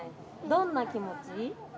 どんな気持ち？